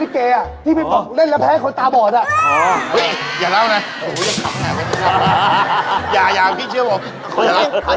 พี่เบิร์ทสมัยก่อนพี่ได้ได้เกียร์